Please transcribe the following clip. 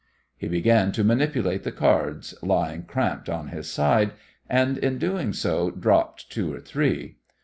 He began to manipulate the cards, lying cramped on his side, and in doing so dropped two or three.